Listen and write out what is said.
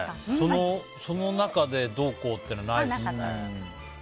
その中でどうこうっていうのはないですね。